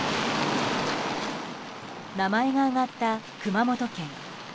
名前が挙がった熊本県。